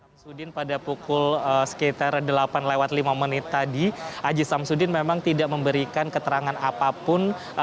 pak haji sabzudin pada pukul sekitar delapan lewat lima menit tadi pak haji sabzudin pada pukul sekitar delapan lewat lima menit tadi pak haji sabzudin memang tidak memberikan keterangan apapun